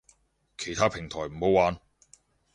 其他平台唔好玩